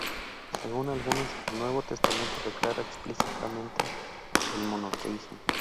Según algunos, el Nuevo Testamento declara explícitamente el monoteísmo.